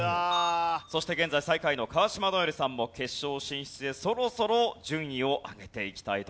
そして現在最下位の川島如恵留さんも決勝進出へそろそろ順位を上げていきたいところです。